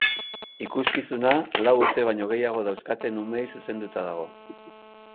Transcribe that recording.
Ikuskizuna lau urte baino gehiago dauzkaten umeei zuzenduta dago.